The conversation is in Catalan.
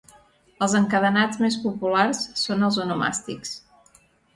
Els encadenats més populars són els onomàstics.